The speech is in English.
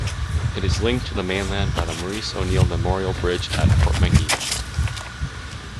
It is linked to the mainland by the Maurice O'Neill Memorial Bridge at Portmagee.